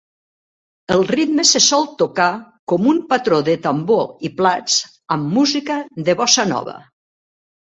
El ritme se sol tocar com un patró de tambor i plats amb música de bossa nova.